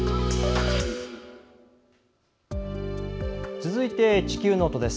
続いて「地球ノート」です。